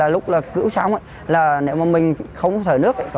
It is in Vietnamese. lúc cứu sống nếu mà mình không thở nước